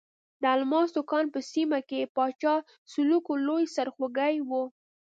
د الماسو کان په سیمه کې پاچا سلوکو لوی سرخوږی وو.